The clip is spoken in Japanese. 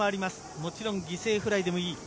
もちろん犠牲フライでもいい。